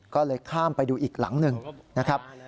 ก็เลยข้ามไปดูอีกหลังหนึ่งนะครับ